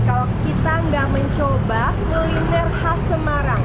kalau kita nggak mencoba kuliner khas semarang